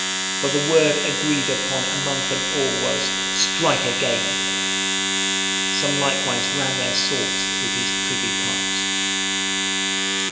For the word agreed upon among them all was, "Strike again." Some likewise ran their swords through his privy parts.